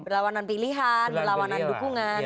berlawanan pilihan berlawanan dukungan